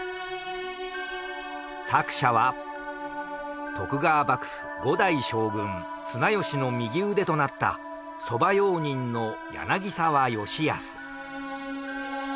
作者は徳川幕府５代将軍綱吉の右腕となった側用人の柳澤吉保。